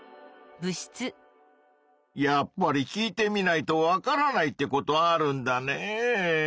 やっぱり聞いてみないとわからないってことあるんだねぇ。